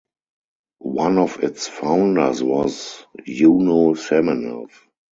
One of its founders was Yuno Semenov.